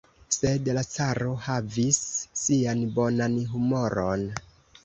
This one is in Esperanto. Sed la caro havis sian bonan humoron.